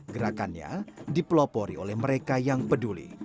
gerakannya dipelopori oleh mereka yang peduli